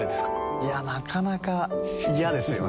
いやあなかなか嫌ですよね